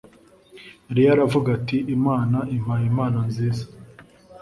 leya aravuga ati imana impaye impano nziza